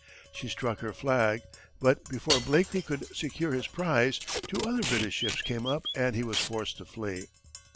She struck her flag, but before Blakeley could secure his prize, two other British ships came up and he was forced to flee.